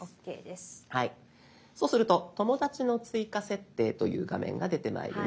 そうすると「友だちの追加設定」という画面が出てまいります。